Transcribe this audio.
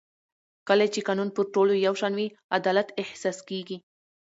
کله چې قانون پر ټولو یو شان وي عدالت احساس کېږي